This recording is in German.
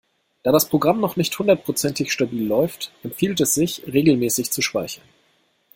Da das Programm noch nicht hundertprozentig stabil läuft, empfiehlt es sich, regelmäßig zu speichern.